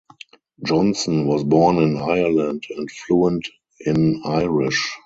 Johnson was born in Ireland and fluent in Irish.